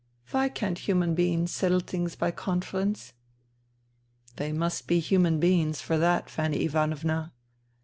" Why can't human beings settle things by conference ?"" They must be human beings for that, Fanny Ivanovna."